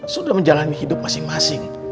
sudah menjalani hidup masing masing